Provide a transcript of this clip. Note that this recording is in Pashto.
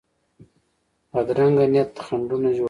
بدرنګه نیت خنډونه جوړوي